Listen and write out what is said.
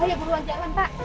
pak ayo buruan jalan pak